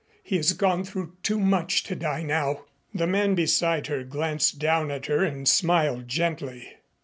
He has gone through too much to die now." The man beside her glanced down at her and smiled gently.